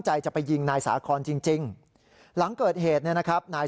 ใจจะไปยิงนายสาคอนจริงหลังเกิดเหตุเนี่ยนะครับนาย